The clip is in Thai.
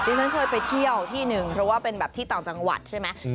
ฉันเคยไปเที่ยวที่หนึ่งเพราะว่าเป็นแบบที่ต่างจังหวัดใช่ไหม